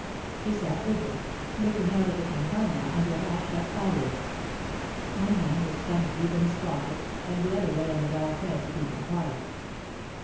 He sat rigid, looking out at the Campagna under half shut eyelids. One hand was plunged deep in his pocket and the other lay on the dog's head to keep him quiet.